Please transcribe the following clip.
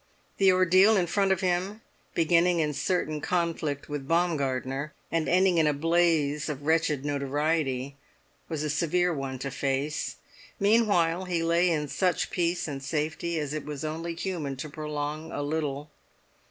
The ordeal in front of him, beginning in certain conflict with Baumgartner, and ending in a blaze of wretched notoriety, was a severe one to face; meanwhile he lay in such peace and safety as it was only human to prolong a little.